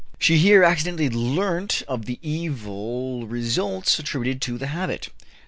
She here accidentally learnt of the evil results attributed to the habit.